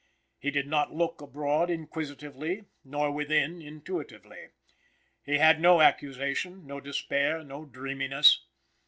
He did not look abroad inquisitively, nor within intuitively. He had no accusation, no despair, no dreaminess.